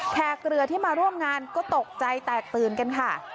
เรือที่มาร่วมงานก็ตกใจแตกตื่นกันค่ะ